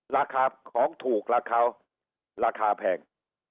ราคาของถูกราคาแพง